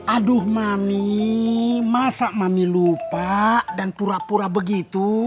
aduh mami masak mami lupa dan pura pura begitu